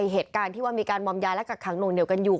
เหตุการณ์ที่ว่ามีการมอมยาและกักขังหน่วงเหนียวกันอยู่